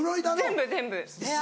全部全部。